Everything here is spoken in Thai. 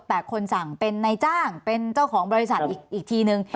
แต่คนสั่งเป็นนายจ้างเป็นเจ้าของบริษัทอีกทีนึง